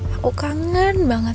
aku kangen banget